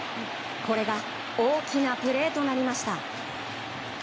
これが大きなプレーとなりました。